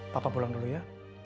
papa pulang dulu ya